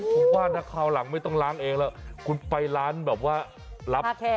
เพราะคุณต้องใช้ระดับไม้หม็อก